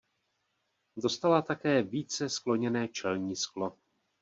Dostala také více skloněné čelní sklo.